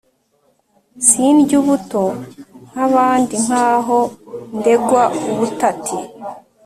sindya ubuto nk’abandi nk’aho ndegwa ubutati